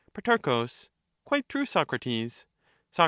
Pro. Quite true, Socrates. Soc.